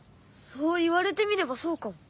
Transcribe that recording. そう言われてみればそうかも。